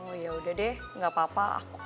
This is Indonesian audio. oh ya udah deh enggak apa apa